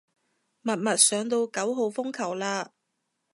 默默上到九號風球嘞